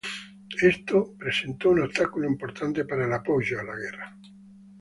Esto presentó un obstáculo importante para el apoyo a la guerra.